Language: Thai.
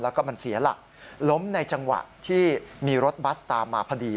แล้วก็มันเสียหลักล้มในจังหวะที่มีรถบัสตามมาพอดี